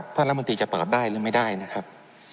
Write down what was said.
ท่านรัฐมนตรีจะตอบได้หรือไม่ได้นะครับ